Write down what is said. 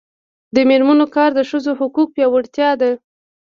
د میرمنو کار د ښځو حقونو پیاوړتیا ده.